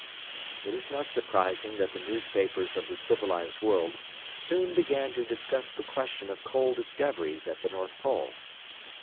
It is not surprising that the newspapers of the civilized world soon began to discuss the question of coal discoveries at the North Pole.